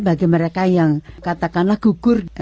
bagi mereka yang katakanlah gugur